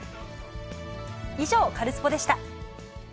以上、カルスポっ！でした。